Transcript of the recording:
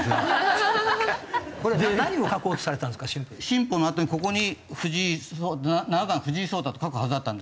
「進歩」のあとにここに「七段藤井聡太」って書くはずだったんです。